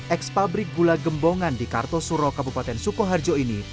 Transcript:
ex pabrik gula gembongan di kartosuro kabupaten sukoharjo ini